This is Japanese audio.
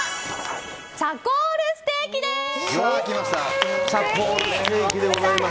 チャコールステーキです！